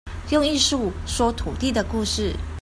用藝術，說土地的故事